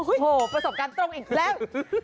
โอ้โหประสบการณ์ตรงอีกแล้ว